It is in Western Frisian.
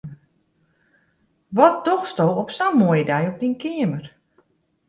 Wat dochsto op sa'n moaie dei op dyn keamer?